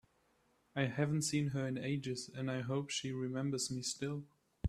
I haven’t seen her in ages, and I hope she remembers me still!